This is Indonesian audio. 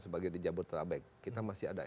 sebagai di jabodetabek kita masih ada